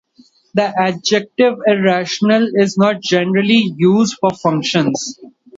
The adjective "irrational" is not generally used for functions.